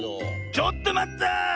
ちょっとまった！